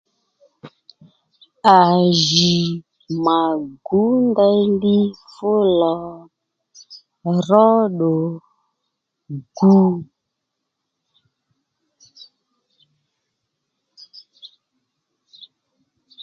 À jì mà gǔ ndèyli fú lò ró ddù gu